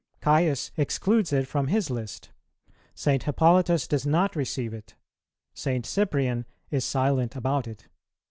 Caius excludes it from his list. St. Hippolytus does not receive it. St. Cyprian is silent about it.